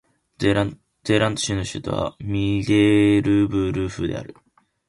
ゼーラント州の州都はミデルブルフである